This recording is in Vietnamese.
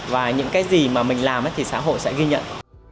và những cái gì mà mình làm thì xã hội sẽ ghi nhận